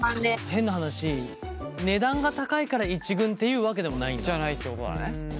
変な話値段が高いから１軍っていうわけでもないんだ？じゃないってことだね。